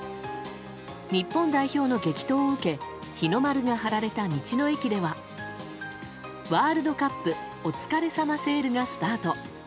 日本代表の激闘を受け日の丸が張られた道の駅ではワールドカップお疲れ様セールがスタート。